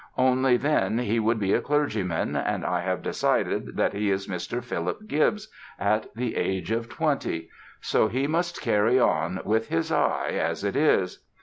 Only then he would be a clergyman, and I have decided that he is Mr. Philip Gibbs at the age of twenty. So he must carry on with his eye as it is.